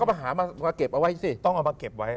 มาหามาเก็บเอาไว้สิต้องเอามาเก็บไว้